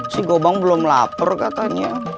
si gobang belum lapar katanya